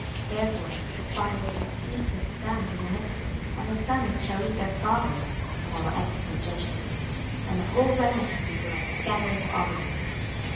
26:005:010 Therefore the fathers shall eat the sons in the midst of thee, and the sons shall eat their fathers; and I will execute judgments in thee, and the whole remnant of thee will I scatter into all the winds.